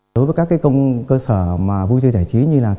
đối với các công cơ sở vui chơi giải trí như là